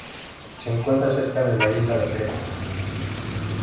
Se encuentra cerca de la isla de Creta.